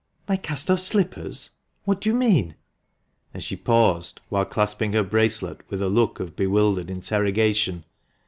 "My cast off slippers ? What do you mean?" and she paused whilst clasping her bracelet with a look of bewildered interrogation.